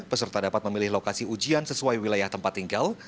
peserta dapat memilih lokasi ujian sesuai wilayah tempat tinggal